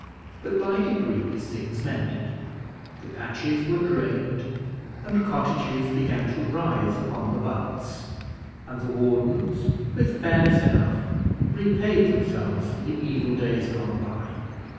But by degrees things mended; the patches were drained, and cottages began to rise upon the butts, and the wardens, with fairness enough, repaid themselves for the evil days gone by.